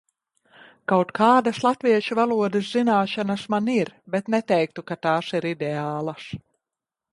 Kaut kādas latviešu valodas zināšanas man ir, bet neteiktu, ka tās ir ideālas.